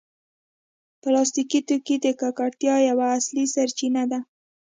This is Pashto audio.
پلاستيکي توکي د ککړتیا یوه اصلي سرچینه ده.